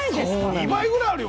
２倍ぐらいあるよ